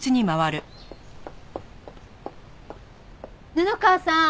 布川さーん。